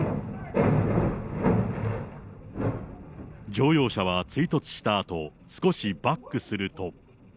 乗用車は追突したあと、少しバックすると。